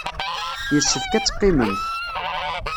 Yessefk ad teqqimemt.